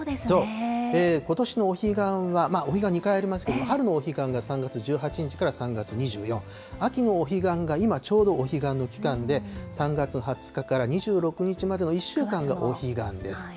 ことしのお彼岸は、お彼岸２回ありますけど、春のお彼岸が３月１８日から３月２４、秋のお彼岸が今ちょうどお彼岸の期間で、３月２０日から２６日までの１週間がお彼岸です。